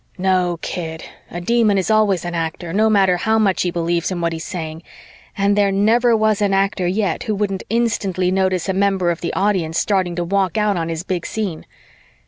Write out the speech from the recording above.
No, kid, a Demon is always an actor, no matter how much he believes in what he's saying, and there never was an actor yet who wouldn't instantly notice a member of the audience starting to walk out on his big scene.